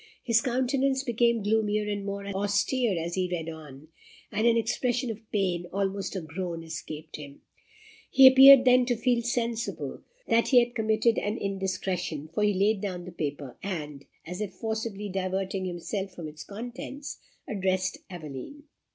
His countenance became gloomier and more austere as he read on, and an expression of pain almost a groan escaped him. He appeared then to feel sensible that he had committed an indiscretion, for he laid down the paper, and, as if forcibly diverting himself from its contents, addressed Aveline.